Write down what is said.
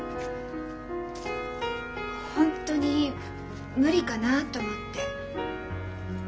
「本当に無理かな？」と思って。